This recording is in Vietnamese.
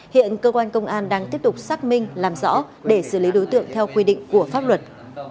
hiện cơ quan công an đang tiếp tục xác minh làm rõ để xử lý đối tượng theo quy định của pháp luật